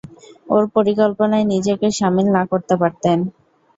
ওর পরিকল্পনায় নিজেকে শামিল না করতে পারতেন।